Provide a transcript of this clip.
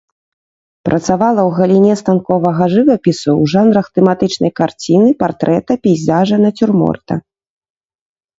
Працавала ў галіне станковага жывапісу ў жанрах тэматычнай карціны, партрэта, пейзажа, нацюрморта.